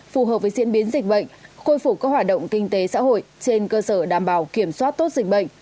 phù hợp với diễn biến dịch bệnh khôi phục các hoạt động kinh tế xã hội trên cơ sở đảm bảo kiểm soát tốt dịch bệnh